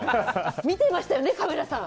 見てましたよね、カメラさん。